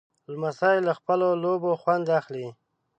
لمسی له خپلو لوبو خوند اخلي.